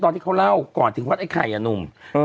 ตอนที่เขาเล่าก่อนถึงวัดไอ้ไข่อะหนุ่ม